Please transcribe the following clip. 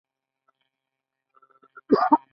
د پسته او بادام کور.